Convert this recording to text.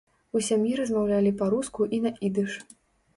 У сям'і размаўлялі па-руску і на ідыш.